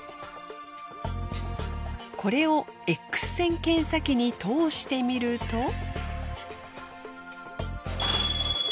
これをＸ線検査機に通してみると。